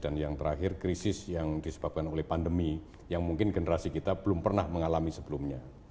dan yang terakhir krisis yang disebabkan oleh pandemi yang mungkin generasi kita belum pernah mengalami sebelumnya